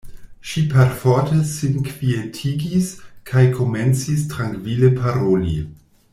Ŝi perforte sin kvietigis kaj komencis trankvile paroli.